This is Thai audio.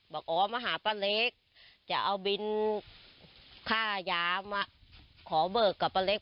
บอกอ๋อมาหาป้าเล็กจะเอาบินค่ายามาขอเบิกกับป้าเล็ก